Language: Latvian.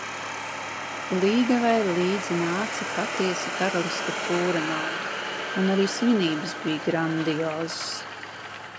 Līgavai līdzi nāca patiesi karaliska pūra nauda, un arī svinības bija grandiozas.